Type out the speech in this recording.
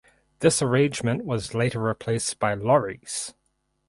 This arrangement was later replaced by lorries.